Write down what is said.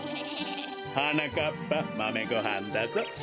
はなかっぱまめごはんだぞ。